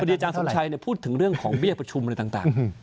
อาจารย์สมชัยพูดถึงเรื่องของเบี้ยประชุมอะไรต่าง